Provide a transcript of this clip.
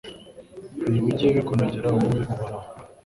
nibijye bikunogera wowe Uhoraho